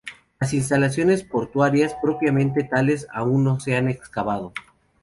Las instalaciones portuarias propiamente tales aún no se han excavado.